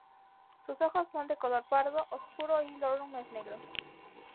Sus ojos son de color pardo oscuro y su lorum es negro.